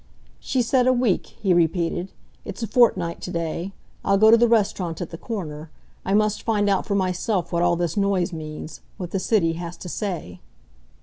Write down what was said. "She said a week," he repeated. "It's a fortnight to day. I'll go to the restaurant at the corner. I must find out for myself what all this noise means, what the city has to say."